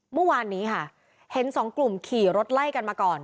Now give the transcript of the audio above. เมื่อวานนี้ค่ะเห็นสองกลุ่มขี่รถไล่กันมาก่อน